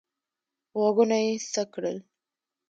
غوږونه یې څک کړل.